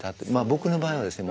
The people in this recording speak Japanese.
僕の場合はですね